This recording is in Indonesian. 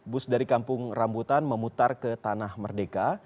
bus dari kampung rambutan memutar ke tanah merdeka